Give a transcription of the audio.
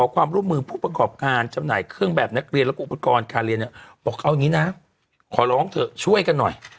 ขอเราร้องเถอะช่วยกันหน่อย